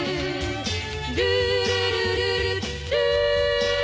「ルールルルルルー」